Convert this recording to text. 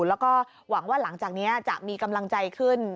แล้วก็หวังว่าหลังจากนี้จะมีกำลังใจขึ้น